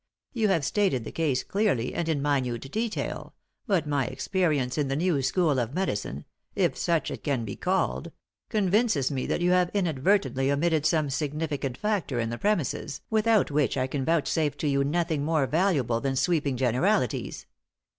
You have stated the case clearly and in minute detail, but my experience in the new school of medicine if such it can be called convinces me that you have inadvertently omitted some significant factor in the premises, without which I can vouchsafe to you nothing more valuable than sweeping generalities.